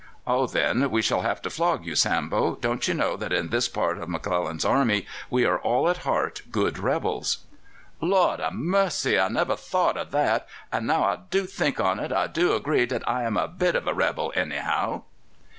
"Oh, then we shall have to flog you, Sambo. Don't you know that in this part of McClellan's army we are all at heart good rebels?" "Lord ha' mercy! I never thought o' that; and now I do think on it, I do agree dat I am a bit of a rebel, anyhow."